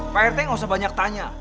pak rt nggak usah banyak tanya